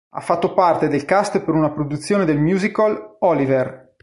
Ha fatto parte del cast per una produzione del musical "Oliver!".